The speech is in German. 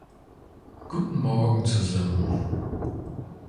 Guten morgen zusammen.